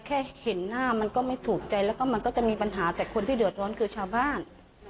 แค่เห็นหน้ามันก็ไม่ถูกใจแล้วก็มันก็จะมีปัญหาแต่คนที่เดือดร้อนคือชาวบ้าน